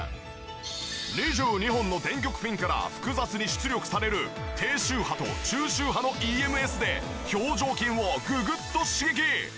２２本の電極ピンから複雑に出力される低周波と中周波のＥＭＳで表情筋をググッと刺激！